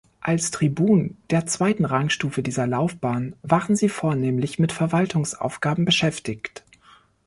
Als Tribun, der zweiten Rangstufe dieser Laufbahn, waren sie vornehmlich mit Verwaltungsaufgaben beschäftigt.